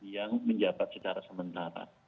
yang menjabat secara sementara